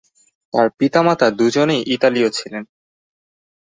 তার পিতামাতা দুজনেই ইতালীয় ছিলেন।